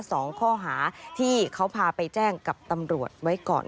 สองข้อหาที่เขาพาไปแจ้งกับตำรวจไว้ก่อน